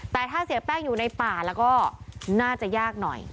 แต่ถ้าเสียแป้งอยู่ในป่าแล้วก็น่าจะยากหน่อย